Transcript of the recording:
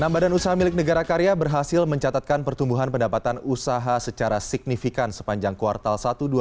enam badan usaha milik negara karya berhasil mencatatkan pertumbuhan pendapatan usaha secara signifikan sepanjang kuartal satu dua ribu dua puluh